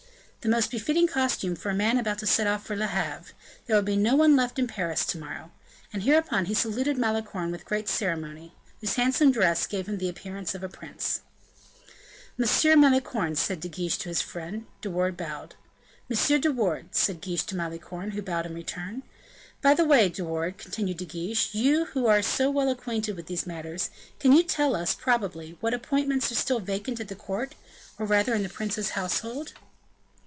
"The most befitting costume for a man about to set off for Le Havre. There will be no one left in Paris to morrow." And hereupon he saluted Malicorne with great ceremony, whose handsome dress gave him the appearance of a prince. "M. Malicorne," said De Guiche to his friend. De Wardes bowed. "M. de Wardes," said Guiche to Malicorne, who bowed in return. "By the by, De Wardes," continued De Guiche, "you who are so well acquainted with these matters, can you tell us, probably, what appointments are still vacant at the court; or rather in the prince's household?"